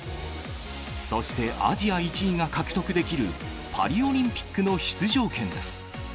そしてアジア１位が獲得できるパリオリンピックの出場権です。